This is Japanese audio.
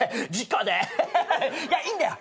いやいいんだよ。